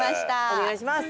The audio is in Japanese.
お願いします！